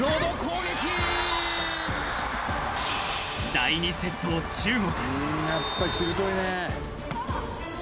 ［第２セットを中国］